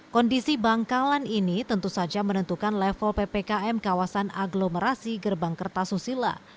kondisi bangkalan ini tentu saja menentukan level ppkm kawasan aglomerasi gerbang kertasusila